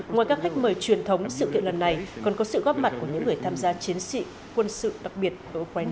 ngoài các khách mời truyền thống sự kiện lần này còn có sự góp mặt của những người tham gia chiến sĩ quân sự đặc biệt của ukraine